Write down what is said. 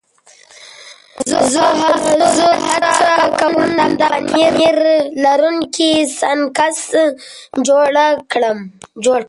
زه هڅه کوم د پنیر لرونکي سنکس جوړ کړم.